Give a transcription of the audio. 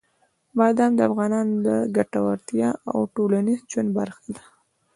بادام د افغانانو د ګټورتیا او ټولنیز ژوند برخه ده.